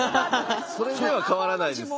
それでは変わらないですけど。